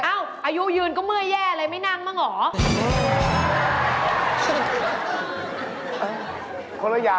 อายุยืนก็เมื่อยแย่เลยไม่นั่งบ้างเหรอ